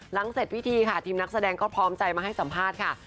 เสร็จพิธีค่ะทีมนักแสดงก็พร้อมใจมาให้สัมภาษณ์ค่ะ